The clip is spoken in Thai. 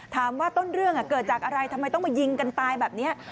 ต้นเรื่องเกิดจากอะไรทำไมต้องมายิงกันตายแบบนี้